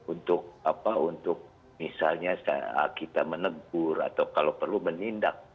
untuk misalnya kita menegur atau kalau perlu menindak